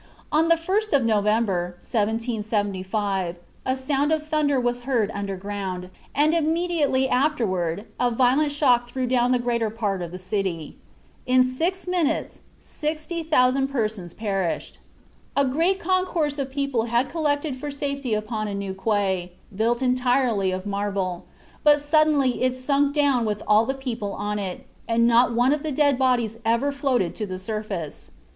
On the 1st of November, 1775, a sound of thunder was heard underground, and immediately afterward a violent shock threw down the greater part of the city. In six minutes 60,000 persons perished. A great concourse of people had collected for safety upon a new quay, built entirely of marble; but suddenly it sunk down with all the people on it, and not one of the dead bodies ever floated to the surface.